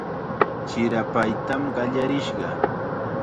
Chirapaytam qallarishqa.